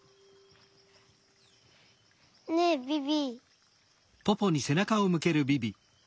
ねえビビ。